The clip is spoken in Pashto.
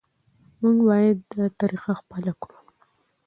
موږ باید دا طریقه خپله کړو.